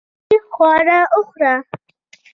صحي خواړه وخوره .